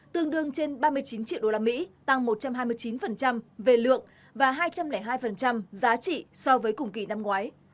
tương đương trên ba mươi chín triệu usd tăng một trăm hai mươi chín về lượng và hai trăm linh hai giá trị so với cùng kỳ năm ngoái